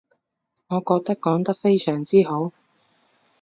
我覺得講得非常之好